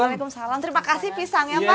waalaikumsalam terima kasih pisang ya pak